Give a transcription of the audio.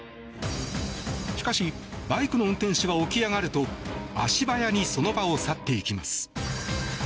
しかし、バイクの運転手は起き上がると足早にその場を去っていきます。